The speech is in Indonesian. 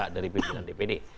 dari pilihan dpd